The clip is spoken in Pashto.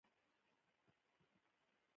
ژوند ستړی دی